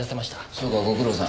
そうかご苦労さん。